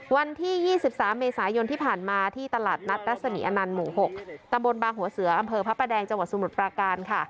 วันที่๒๓เมษายนที่ผ่านมาที่ตลาดนัดรัศมีอนันต์หมู่๖ตำบลบางหัวเสืออำเภอพระประแดงจังหวัดสมุทรปราการค่ะ